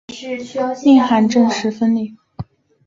宁汉正式分裂。